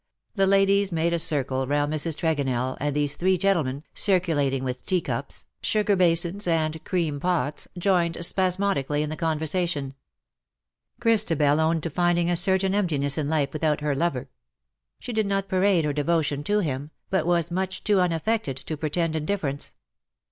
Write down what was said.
The ladies made a circle round Mrs. Tregonell, and these three gentlemen, circulating with tea cups. 232 LE SECRET DE POLICHINELLE. sugar basins, and cream pots, joined spasmodically in the conversation. Christabel owned to finding a certain emptiness in life without her lover. She did not parade her devotion to him, but was much too unafi*ected to pretend indifference.